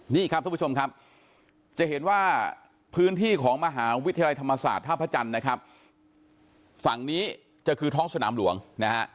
นี่ครับทุกผู้ชมครับจะเห็นว่าพื้นที่ของมหาวิทยาลัยธรรมศาสตร์ท่าพระจันทร์นะครับฝั่งนี้จะคือท้องสนามหลวงนะฮะ